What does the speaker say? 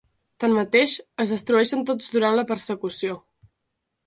Tanmateix, es destrueixen tots durant la persecució.